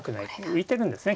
浮いてるんですね。